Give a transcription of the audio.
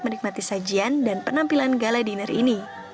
menikmati sajian dan penampilan gala dinner ini